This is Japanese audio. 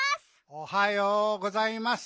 おはようございます。